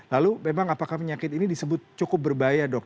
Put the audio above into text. lalu memang apakah penyakit ini disebut cukup berbahaya dok